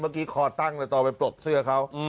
เมื่อกี้คอตั้งต่อไปตบเสื้อเขา